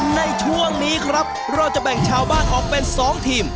ในช่วงนี้ครับเราจะแบ่งชาวบ้านออกเป็น๒ทีม